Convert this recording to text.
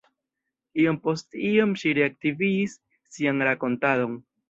Iom post iom ŝi reaktivigis sian rakontadon: